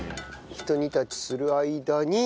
ひと煮立ちする間にこっちは。